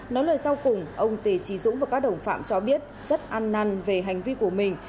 nói lời sau cùng ông tề trí dũng và các đồng phạm cho biết rất ăn năn về hành vi của mình